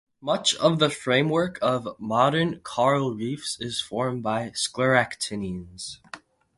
Much of the framework of modern coral reefs is formed by scleractinians.